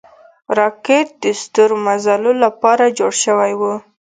راکټ د ستورمزلو له پاره جوړ شوی و